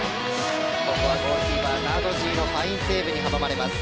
ここはゴールキーパー、ナドジーのファインセーブに阻まれます。